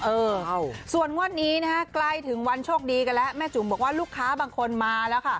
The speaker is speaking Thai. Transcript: เออส่วนงวดนี้นะคะใกล้ถึงวันโชคดีกันแล้วแม่จุ๋มบอกว่าลูกค้าบางคนมาแล้วค่ะ